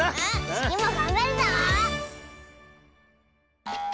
つぎもがんばるぞ！